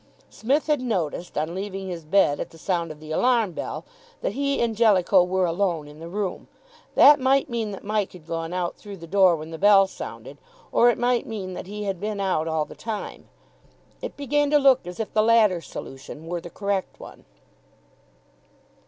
Psmith had noticed, on leaving his bed at the sound of the alarm bell, that he and Jellicoe were alone in the room. That might mean that Mike had gone out through the door when the bell sounded, or it might mean that he had been out all the time. It began to look as if the latter solution were the correct one.